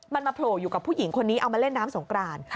มันมาโผล่อยู่กับผู้หญิงคนนี้เอามาเล่นน้ำสงกราน